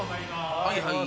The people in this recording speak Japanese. はいはい。